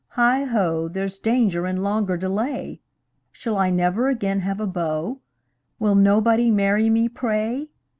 Heigh ho! There's danger in longer delay! Shall I never again have a beau? Will nobody marry me, pray!